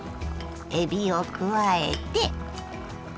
えびを加えて。